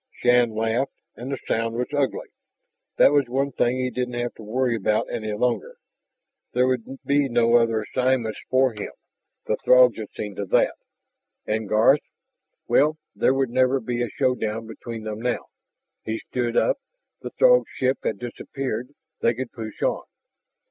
Shann laughed, and the sound was ugly. That was one thing he didn't have to worry about any longer. There would be no other assignments for him, the Throgs had seen to that. And Garth ... well, there would never be a showdown between them now. He stood up. The Throg ship had disappeared; they could push on.